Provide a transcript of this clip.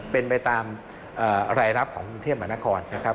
เป็นไปตามรายรับของกรุงเทพมหานครนะครับ